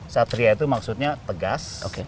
satria itu maksudnya tegas